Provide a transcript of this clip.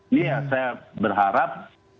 ini ya saya berharap